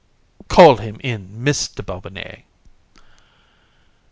Call him in, Mr. Bobinet.